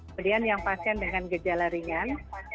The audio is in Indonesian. kemudian yang pasien dengan gejala ringan